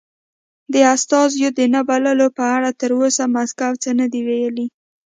د استازیو د نه بللو په اړه تر اوسه مسکو څه نه دې ویلي.